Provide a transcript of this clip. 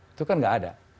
itu kan tidak ada